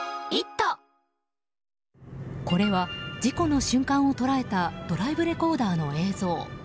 これは事故の瞬間を捉えたドライブレコーダーの映像。